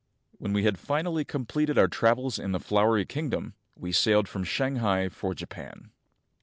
When we had finally completed our travels in the Flowery Kingdom, we sailed from Shanghai for Japan.